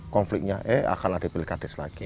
konfliknya eh akan ada pilkadas lagi